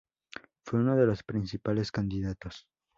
Fue uno de los principales candidatos.